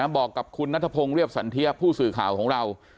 บอกกับคุณนัทพงศ์เรียบสันเทียผู้สื่อข่าวของเรา